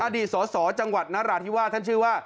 อดีตสสจังหวัดนราธิวาสท่านชื่อว่า